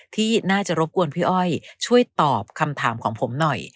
ที่น่าจะรบกวนพี่อ้อยช่วยตอบคำถามของผมหน่อย